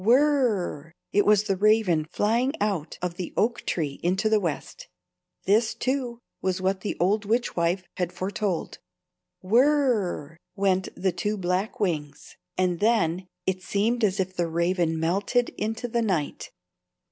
"Whir r r!" It was the Raven flying out of the oak tree into the west. This, too, was what the old witchwife had foretold. "Whir r r" went the two black wings, and then it seemed as if the Raven melted into the night.